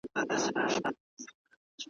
لوبي له لمبو سره بل خوند لري `